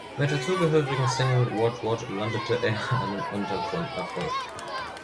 Mit der zugehörigen Single "What, What" landete er einen Untergrund-Erfolg.